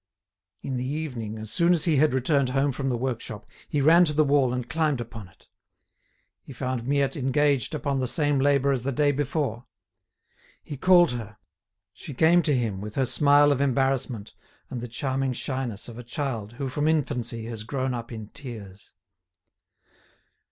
In the evening, as soon as he had returned home from the workshop, he ran to the wall and climbed upon it. He found Miette engaged upon the same labour as the day before. He called her. She came to him, with her smile of embarrassment, and the charming shyness of a child who from infancy had grown up in tears.